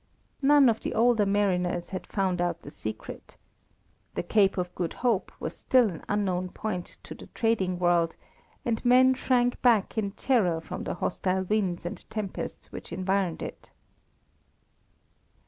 None of the older mariners had found out the secret. The Cape of Good Hope was still an unknown point to the trading world, and men shrank back in terror from the hostile winds and tempests which environed it.